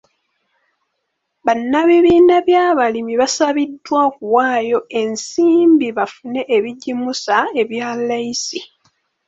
Bannabibiina by'abalimi basabiddwa okuwayo ensimbi bafune ebigimusa ebya layisi.